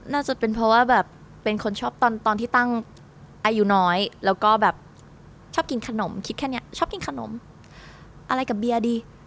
น่าจะเป็นเพราะว่าแบบเป็นคนชอบตอนที่ตั้งอายุน้อยแล้วก็แบบชอบกินขนมคิดแค่นี้ชอบกินขนมอะไรกับเบียร์ดี